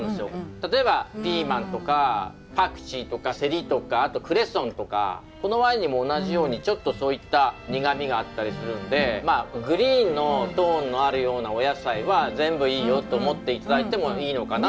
例えばピーマンとかパクチーとかセリとかあとクレソンとかこのワインにも同じようにちょっとそういった苦みがあったりするんでグリーンのトーンのあるようなお野菜は全部いいよと思って頂いてもいいのかなと思います。